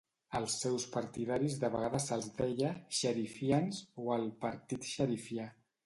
Als seus partidaris de vegades se'ls deia "xerifians" o el "partit xerifià"